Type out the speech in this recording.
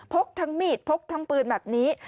กทั้งมีดพกทั้งปืนแบบนี้